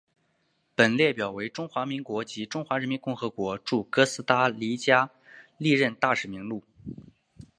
本列表为中华民国及中华人民共和国驻哥斯达黎加历任大使名录。